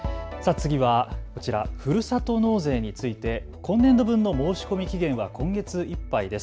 次はこちら、ふるさと納税について今年度分の申し込み期限は今月いっぱいです。